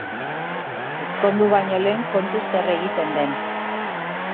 Ezkondu baino lehen, kontu zer egiten den.